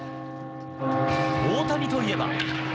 大谷といえば。